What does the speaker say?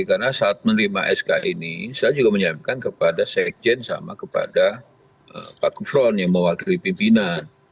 karena saat menerima sk ini saya juga menyampaikan kepada sekjen sama kepada pak kufron yang mewakili pimpinan